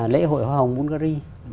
lễ hội hoa hồng bungari